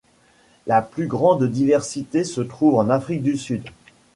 La plus grande diversité se trouve en Afrique du Sud.